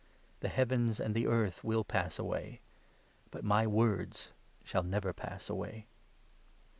The heavens and the earth will pass 35 away, but my words shall never pass away.